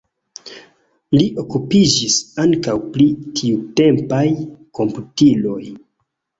Li okupiĝis ankaŭ pri tiutempaj komputiloj.